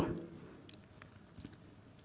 yang dilakukan oleh presiden joko widodo